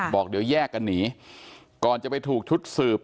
บอกเดี๋ยวแยกกันหนีก่อนจะไปถูกชุดสืบ